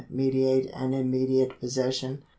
Mediate and immediate possession.